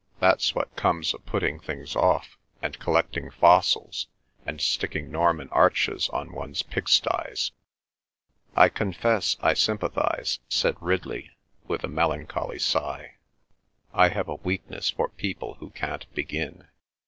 "That's what comes of putting things off, and collecting fossils, and sticking Norman arches on one's pigsties." "I confess I sympathise," said Ridley with a melancholy sigh. "I have a weakness for people who can't begin." "...